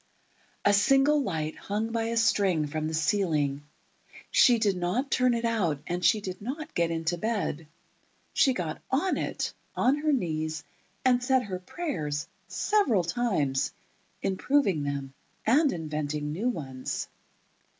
A single light hung by a string from the ceiling. She did not turn it out, and she did not get into bed. She got on it, on her knees, and said her prayers—several times—improving them, and inventing new ones.